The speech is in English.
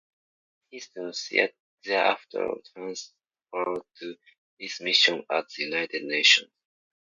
He soon thereafter transferred to its mission at the United Nations.